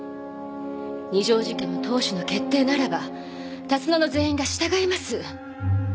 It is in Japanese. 二条路家の当主の決定ならば龍野の全員が従います。